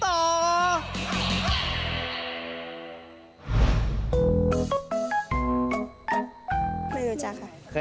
ไม่รู้จัก